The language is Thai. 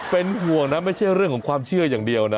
เป็นห่วงนะไม่ใช่เรื่องของความเชื่ออย่างเดียวนะ